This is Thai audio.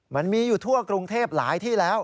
มันมีอยู่ทั่วกรุงเทพหลายที่แล้ว